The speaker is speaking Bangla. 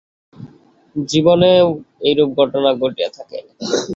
জীবনেও এইরূপ ঘটনা ঘটিয়া থাকে।